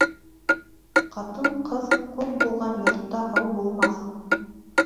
Ҡатын-ҡыҙ күп булған йортта һыу булмаҫ.